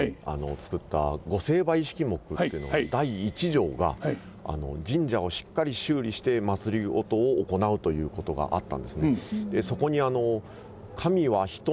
作った御成敗式目っていうのの第一条が神社をしっかり修理してまつりごとを行うということがあったんですね。